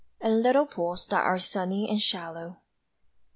And little pools that are sunny and shallow?